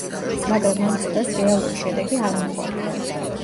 მაგრამ ამ ცდას რეალური შედეგი არ მოჰყოლია.